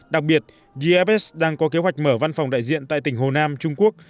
đặc biệt gfs đang có kế hoạch mở văn phòng đại diện tại tỉnh hồ nam trung quốc